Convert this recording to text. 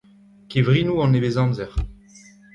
Kevrinoù an nevez-amzer !